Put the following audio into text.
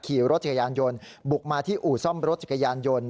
ขี่รถจักรยานยนต์บุกมาที่อู่ซ่อมรถจักรยานยนต์